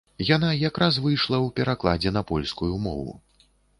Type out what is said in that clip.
Яна якраз выйшла ў перакладзе на польскую мову.